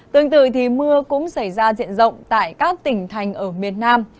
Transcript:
tương tự thì mưa cũng xảy ra diện rộng tại các tỉnh thành ở miền nam